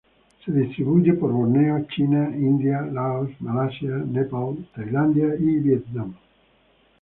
Se distribuye por Borneo, China, India, Laos, Malasia, Nepal, Tailandia y Vietnam.